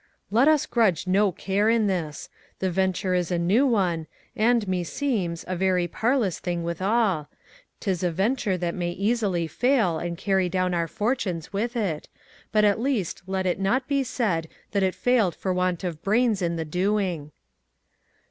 "Let us grudge no care in this. The venture is a new one and, meseems, a very parlous thing withal. 'Tis a venture that may easily fail and carry down our fortunes with it, but at least let it not be said that it failed for want of brains in the doing."